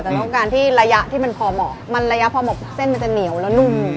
แต่ต้องการที่ระยะที่มันพอเหมาะมันระยะพอเหมาะเส้นมันจะเหนียวแล้วนุ่ม